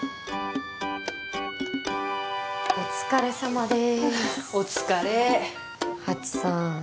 お疲れさまでーすお疲れハチさん